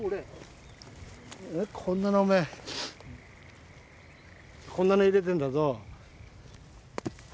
こんなのおめえこんなの入れてるんだぞ。